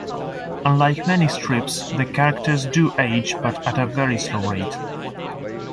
Unlike many strips, the characters do age, but at a very slow rate.